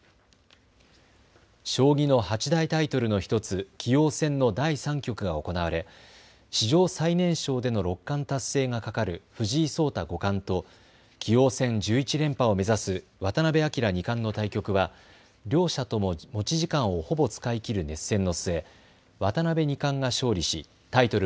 将棋の八大タイトルの１つ、棋王戦の第３局が行われ史上最年少での六冠達成がかかる藤井聡太五冠と棋王戦１１連覇を目指す渡辺明二冠の対局は両者とも持ち時間をほぼ使い切る熱戦の末、渡辺二冠が勝利しタイトル